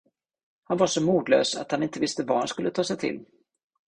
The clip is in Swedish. Han var så modlös, att han inte visste vad han skulle ta sig till.